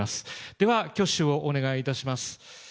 では、挙手をお願いいたします。